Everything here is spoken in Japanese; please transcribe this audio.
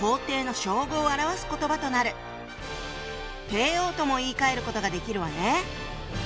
「帝王」とも言いかえることができるわね。